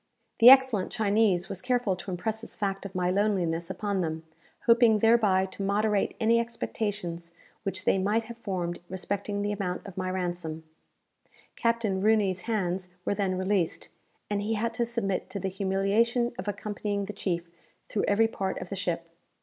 The excellent Chinese was careful to impress this fact of my loneliness upon them, hoping thereby to moderate any expectations which they might have formed respecting the amount of my ransom. Captain Rooney's hands were then released, and he had to submit to the humiliation of accompanying the chief through every part of the ship.